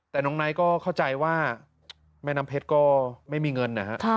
แต่น้องไนท์ก็เข้าใจว่าแม่น้ำเพชรก็ไม่มีเงินนะฮะ